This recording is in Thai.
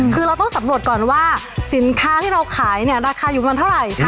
คือเราต้องสำรวจก่อนว่าสินค้าที่เราขายเนี่ยราคาอยู่ประมาณเท่าไหร่